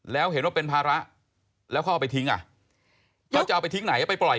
แล้วเห็นว่าเป็นภาระแล้วเขาเอาไปทิ้งอ่ะ